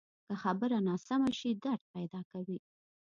که خبره ناسمه شي، درد پیدا کوي